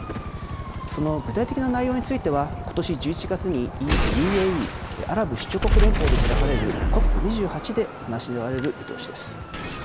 その具体的な内容については、ことし１１月に、ＵＡＥ・アラブ首長国連邦で開かれるＣＯＰ２８で話し合われる見通しです。